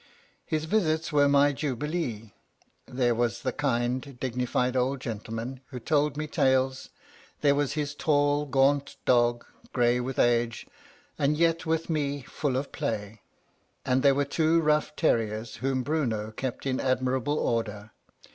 His visits were my jubilees there was the kind, dignified old gentleman, who told me tales there was his tall, gaunt dog, grey with age, and yet with me full of play; and there were two rough terriers, whom Bruno kept in admirable order.